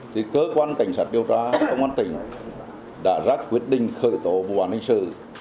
thì cơ quan cảnh sát điều tra công an tỉnh đã ra quyết định khởi tố vụ án hình sự